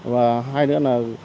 và hai nữa là